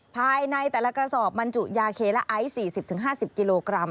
ภายในแต่ละกระสอบบรรจุยาเคและไอซ์๔๐๕๐กิโลกรัม